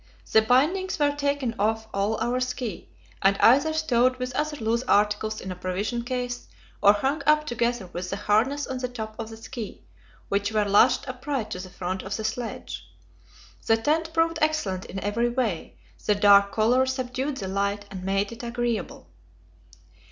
The bindings were taken off all our ski, and either stowed with other loose articles in a provision case, or hung up together with the harness on the top of the ski, which were lashed upright to the front of the sledge. The tent proved excellent in every way; the dark colour subdued the light, and made it agreeable.